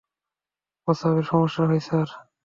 প্রস্রাবের সমস্যা হয়, স্যার।